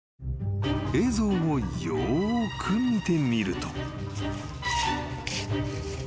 ［映像をよく見てみると］